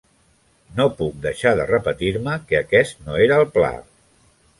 No puc deixar de repetir-me que aquest no era el pla.